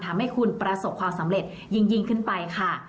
ทำให้คุณประสบความสำเร็จยิ่งขึ้นไปค่ะ